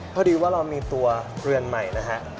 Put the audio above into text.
พอดีว่าเรามีตัวเรือนใหม่นะฮะ